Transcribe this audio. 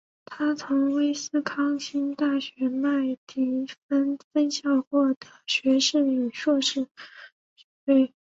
他从威斯康辛大学麦迪逊分校获得学士与硕士学位。